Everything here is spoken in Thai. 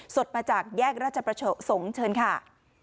สดมาจากแยกราชประสงค์เชิญค่ะ